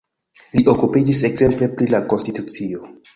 Li okupiĝis ekzemple pri la konstitucio.